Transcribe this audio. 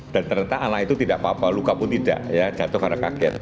ternyata anak itu tidak apa apa luka pun tidak ya jatuh karena kaget